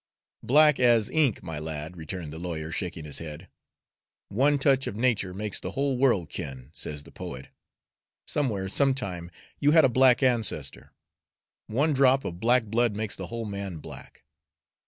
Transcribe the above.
"Black as ink, my lad," returned the lawyer, shaking his head. "'One touch of nature makes the whole world kin,' says the poet. Somewhere, sometime, you had a black ancestor. One drop of black blood makes the whole man black."